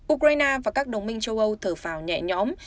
ukraine và các đồng minh châu âu thở phào nhẹ nhóm